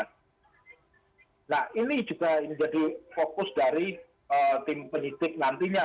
nah ini juga menjadi fokus dari tim penyidik nantinya